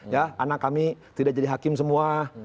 ya anak kami tidak jadi hakim semua